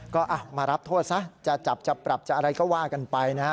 ก็มารับโทษซะจะจับจะปรับจะอะไรก็ว่ากันไปนะฮะ